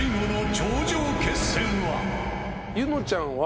柚乃ちゃんは。